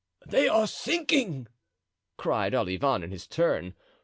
"They are sinking!" cried Olivain in his turn.